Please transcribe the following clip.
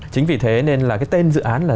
chính vì thế nên là cái tên dự án là